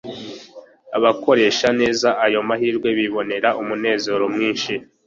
Abakoresha neza ayo mahirwe bibonera umunezero mwinshi